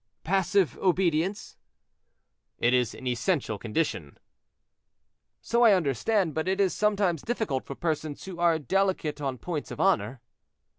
"Passive obedience." "It is an essential condition." "So I understand; but it is sometimes difficult for persons who are delicate on points of honor."